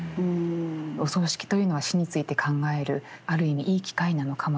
お葬式というのは死について考えるある意味いい機会なのかもしれません。